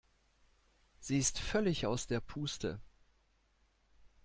Sie ist völlig aus der Puste.